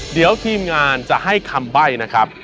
เดี๋ยวทีมงานจะให้คำใบ้นะครับ